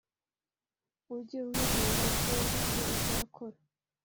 Ujye uhigura icyo wahize uzakora